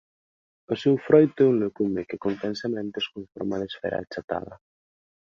O seu froito é un legume que contén sementes con forma de esfera achatada.